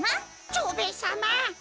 蝶兵衛さま。